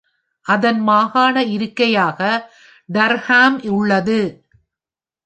அதன் மாகாண இருக்கையாக டர்ஹாம் உள்ளது.